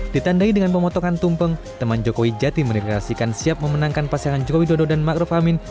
ditandai dengan pemotongan tumpeng teman jokowi jati meneklarasikan siap memenangkan pasangan jokowi dodo dan ⁇ maruf ⁇ amin